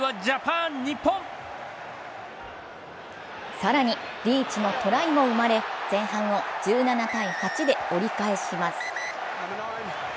更にリーチのトライも生まれ前半を１７−８で折り返します。